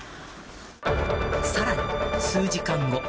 さらに数時間後。